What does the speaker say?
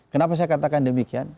kenapa saya katakan demikian